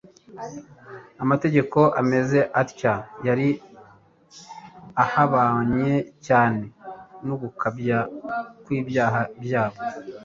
Amategeko ameze atyo yari ahabanye cyane n'ugukabya kw'ibyaha byabo,